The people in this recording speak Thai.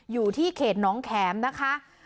อยู่ที่เขตน้องแขมนะคะ